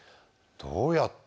どうやって？